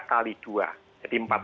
kali dua jadi